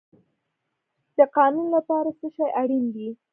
د قانون لپاره څه شی اړین دی؟